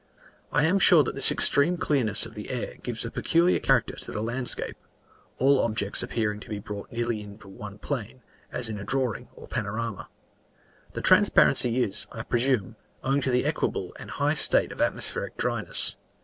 I am sure that this extreme clearness of the air gives a peculiar character to the landscape, all objects appearing to be brought nearly into one plane, as in a drawing or panorama. The transparency is, I presume, owing to the equable and high state of atmospheric dryness.